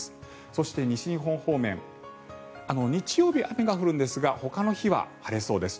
そして西日本方面日曜日、雨が降るんですがほかの日は晴れそうです。